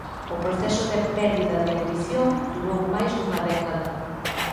O proceso de perdida de audición durou máis dunha década.